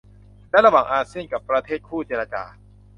และระหว่างอาเซียนกับประเทศคู่เจรจา